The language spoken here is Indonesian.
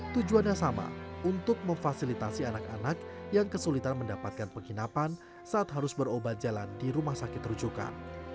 tujuannya sama untuk memfasilitasi anak anak yang kesulitan mendapatkan penginapan saat harus berobat jalan di rumah sakit rujukan